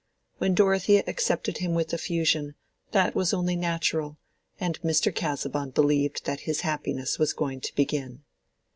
— When Dorothea accepted him with effusion, that was only natural; and Mr. Casaubon believed that his happiness was going to begin.